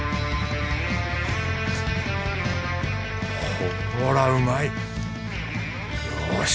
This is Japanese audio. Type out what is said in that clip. ほらうまい。よし